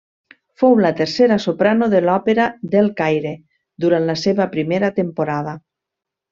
Fou la tercera soprano de l'òpera del Caire durant la seva primera temporada.